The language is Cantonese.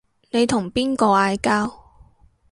你同邊個嗌交